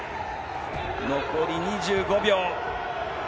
残り２５秒。